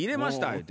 言うて。